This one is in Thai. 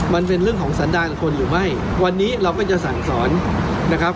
มันเป็นเรื่องของสันดาลคนหรือไม่วันนี้เราก็จะสั่งสอนนะครับ